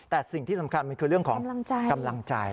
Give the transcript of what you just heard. แต่สิ่งที่สำคัญมันคือเรื่องของกำลังใจ